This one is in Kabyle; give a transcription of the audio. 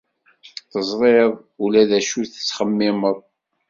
Teẓriḍ ula d acu i ttxemmimeɣ.